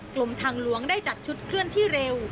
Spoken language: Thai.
ลมทางหลวงได้จัดชุดเคลื่อนที่เร็ว